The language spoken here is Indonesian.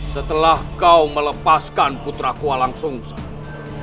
setelah kau melepaskan putra kuah langsung saja